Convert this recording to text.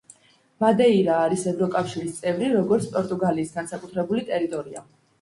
მადეირა არის ევროკავშირის წევრი როგორც პორტუგალიის განსაკუთრებული ტერიტორია.